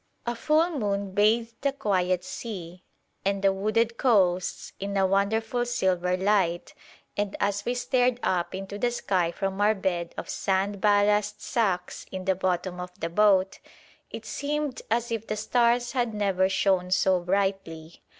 A full moon bathed the quiet sea and the wooded coasts in a wonderful silver light, and as we stared up into the sky from our bed of sand ballast sacks in the bottom of the boat, it seemed as if the stars had never shone so brightly.